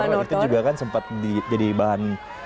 dan itu juga kan sempet menjadi bahan